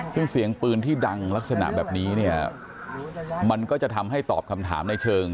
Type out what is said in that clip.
ซึ่งเสียงปืนที่ดังลักษณะแบบนี้เนี่ยมันก็จะทำให้ตอบคำถามในเชิง